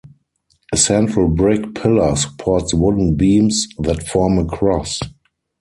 A central brick pillar supports wooden beams that form a cross.